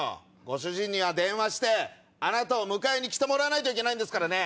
ご主人には電話してあなたを迎えに来てもらわないといけないんですからね。